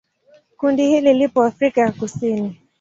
Kundi hili lipo Afrika ya Kusini.